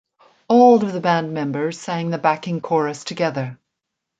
All of the band members sang the backing chorus together.